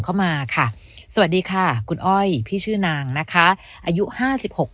เข้ามาค่ะสวัสดีค่ะคุณอ้อยพี่ชื่อนางนะคะอายุห้าสิบหก